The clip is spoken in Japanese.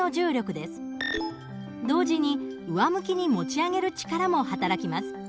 同時に上向きに持ち上げる力も働きます。